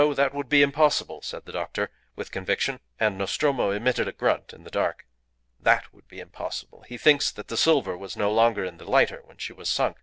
That would be impossible," said the doctor, with conviction; and Nostromo emitted a grunt in the dark. "That would be impossible. He thinks that the silver was no longer in the lighter when she was sunk.